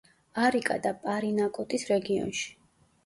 არიკა და პარინაკოტის რეგიონში.